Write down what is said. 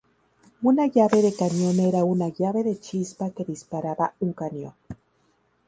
Una llave de cañón era una llave de chispa que disparaba un cañón.